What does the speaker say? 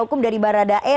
hukum dari baradae